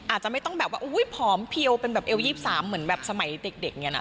อาจจะไม่ต้องแบบว่าผอมเพียวเป็นแบบเอว๒๓เหมือนแบบสมัยเด็กเนี่ยนะ